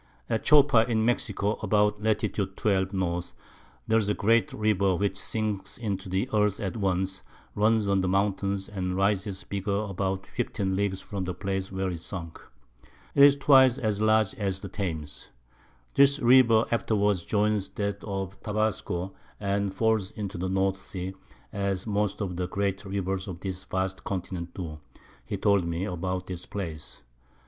At Chopa in Mexico, about Lat. 12. N. there's a great River which sinks into the Earth at once, runs under the Mountains, and rises bigger about 15 Leagues from the Place where it sunk. 'Tis twice as large as the Thames. This River afterwards joins that of Tabasco, and falls into the North Sea, as most of the great Rivers of this vast Continent do, he told me, about this Place.